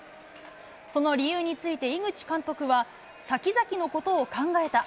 その理由について、井口監督は、先々のことを考えた。